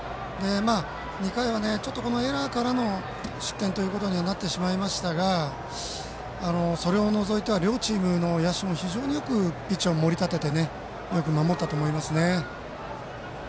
２回はエラーからの失点ということにはなってしまいましたがそれを除いては両チームの野手も非常によくピッチャーを盛り立ててよく守ったと思います。